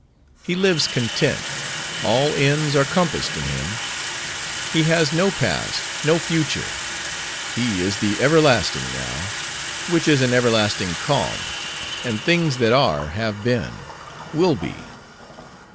He lives content; all ends are compassed in Him; He has no past, no future; He is the everlasting now; which is an everlasting calm; and things that are, have been,— will be.